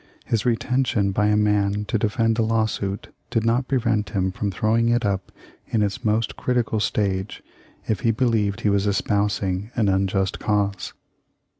His retention by a man to defend a lawsuit did not prevent him from throwing it up in its most critical stage if he believed he was espousing an unjust cause.